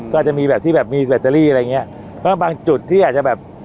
ก็จะมีแบบที่แบบมีแบตเตอรี่อะไรอย่างเงี้ยเพราะบางจุดที่อาจจะแบบ